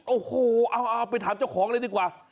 โอ้โหเอาไปถามเจ้าของเลยดีกว่า